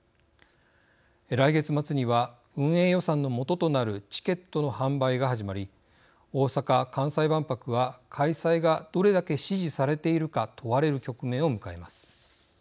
来月末には運営予算のもととなるチケットの販売が始まり大阪・関西万博は開催がどれだけ支持されているか問われる局面を迎えます。